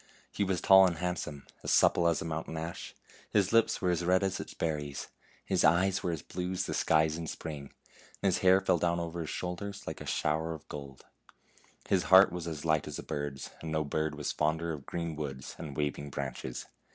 He was tall and handsome ; as supple as a mountain ash, his lips were as red as its ber ries ; his eyes were as blue as the skies in spring ; and his hair fell down over his shoulders like a shower of gold. His heart was as light as a bird's, and no bird was fonder of green woods and waving branches.